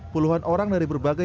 puluhan orang dari berbagai